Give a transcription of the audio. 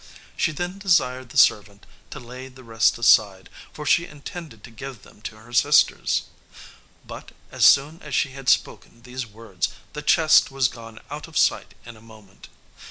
She then desired the servant to lay the rest aside, for she intended to give them to her sisters; but, as soon as she had spoken these words, the chest was gone out of sight in a moment.